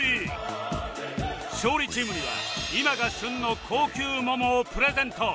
勝利チームには今が旬の高級桃をプレゼント